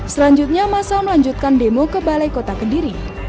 selanjutnya masa melanjutkan demo ke balai kota kediri